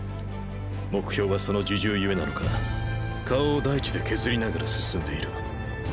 目標はその自重ゆえなのか顔を大地で削りながら進んでいる。